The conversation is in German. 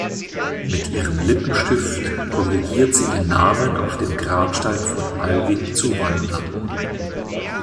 Mit ihrem Lippenstift korrigiert sie den Namen auf dem Grabstein von Alvin zu Wanda.